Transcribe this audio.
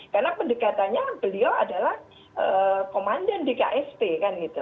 karena pendekatannya beliau adalah komandan di ksp kan gitu